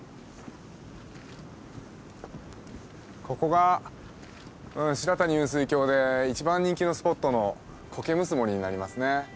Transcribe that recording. ここが白谷雲水峡で一番人気のスポットの苔むす森になりますね。